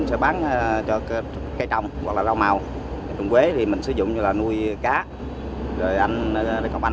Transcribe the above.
nhưng việc ông ngọc sử dụng hoàn toàn cây lục bình